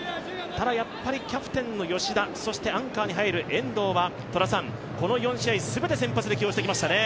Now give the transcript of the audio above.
ただ、やっぱりキャプテンの吉田、アンカーに入る遠藤はこの４試合全て先発で起用してきましたね。